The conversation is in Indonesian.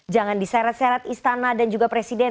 jangan diseret seret istana dan juga presiden